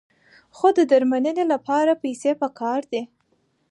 خو د درملنې لپاره پیسې پکار دي.